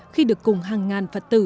khi được cùng hàng ngàn phật tử